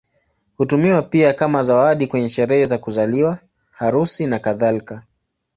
Hutumiwa pia kama zawadi kwenye sherehe za kuzaliwa, harusi, nakadhalika.